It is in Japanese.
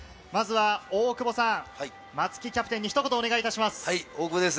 まずは大久保さん、松木キャプテンにひと言お願いします。